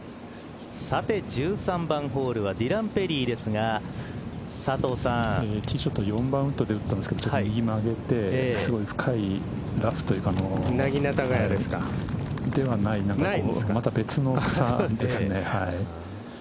１３番ホールはディラン・ペリーですがティーショット４番ウッドで打ってますけど右曲げてすごい深いラフというかではなく別の草ですね。